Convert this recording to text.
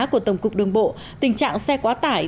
của tổng cục đường bộ tình trạng xe quá tải